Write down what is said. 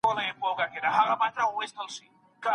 راتلونکی تل د امیدونو په رڼا کي دی.